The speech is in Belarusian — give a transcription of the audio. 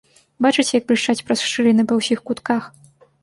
Бачыце, як блішчыць праз шчыліны па ўсіх кутках.